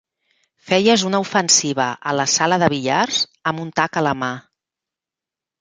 Feies una ofensiva a la sala de billars amb un tac a la mà.